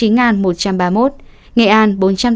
nghệ an bốn trăm tám mươi ba chín trăm một mươi